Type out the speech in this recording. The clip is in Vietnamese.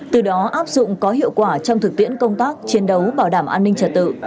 từ đó áp dụng có hiệu quả trong thực tiễn công tác chiến đấu bảo đảm an ninh trật tự